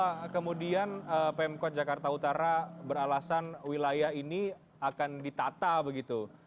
apakah kemudian pemkot jakarta utara beralasan wilayah ini akan ditata begitu